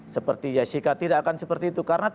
seperti yesika tidak akan seperti itu